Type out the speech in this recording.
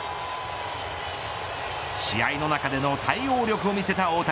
試合の中での対応力を見せた大谷。